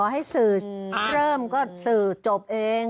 ให้สื่อเริ่มก็สื่อจบเอง